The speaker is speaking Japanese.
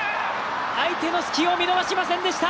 相手の隙を見逃しませんでした！